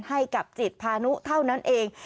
ให้กับจิตพานุเท่านั้นเอง